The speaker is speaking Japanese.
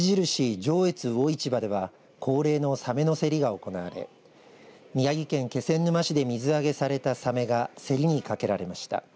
上越魚市場では恒例のさめの競りが行われ宮城県気仙沼市で水揚げされたさめが競りにかけられました。